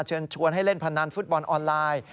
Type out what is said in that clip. เชิญชวนให้เล่นพนันฟุตบอลออนไลน์